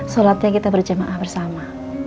solatnya kita berjemaah bersama